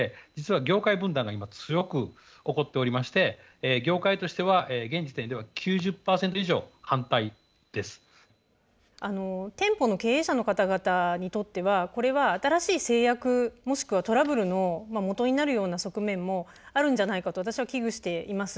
なぜかというとですねやはり要するにそうするとそれをあの店舗の経営者の方々にとってはこれは新しい制約もしくはトラブルのもとになるような側面もあるんじゃないかと私は危惧しています。